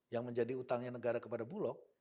yang menjadi utangnya negara kepada bulog